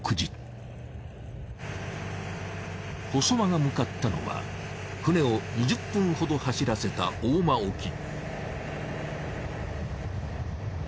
細間が向かったのは船を２０分ほど走らせた大間沖。